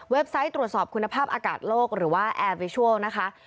ไซต์ตรวจสอบคุณภาพอากาศโลกหรือว่าแอร์วิชัลนะคะ